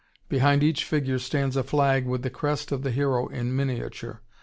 Behind each figure stands a flag with the crest of the hero in miniature.